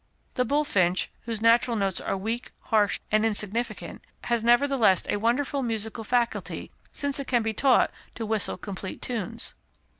The bullfinch, whose natural notes are weak, harsh, and insignificant, has nevertheless a wonderful musical faculty, since it can be taught to whistle complete tunes.